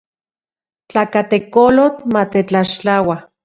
Tlakatekolotl matetlaxtlaua.